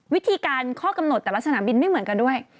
วิธีการข้อกำหนดแต่ละสนามบินไม่เหมือนกันด้วย